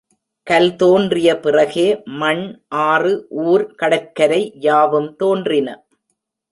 கல் தோன்றிய பிறகே மண், ஆறு, ஊர், கடற்கரை யாவும் தோன்றின.